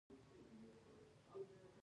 د هیر د قوانینو ټولګه ثبت شوه.